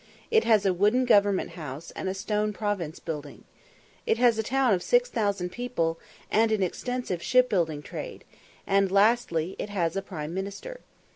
It has a wooden Government House, and a stone Province Building. It has a town of six thousand people, and an extensive shipbuilding trade, and, lastly, it has a prime minister.